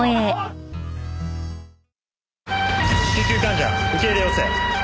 救急患者受け入れ要請。